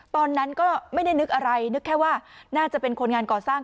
ตอนนั้นก็ไม่ได้นึกอะไรนึกแค่ว่าน่าจะเป็นคนงานก่อสร้าง